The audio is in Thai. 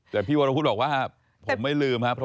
แต่พี่วรวุฒิบอกว่าผมไม่ลืมครับ